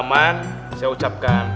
yang ayah saya meminta maksudnya